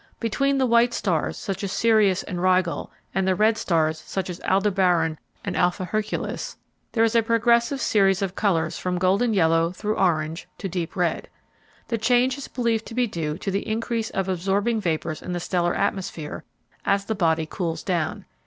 Between the white stars, such as Sirius and Rigel, and the red stars, such as Aldebaran and Alpha Herculis, there is a progressive series of colors from golden yellow through orange to deep red. The change is believed to be due to the increase of absorbing vapors in the stellar atmosphere as the body cools down.